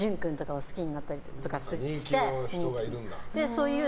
そうそう。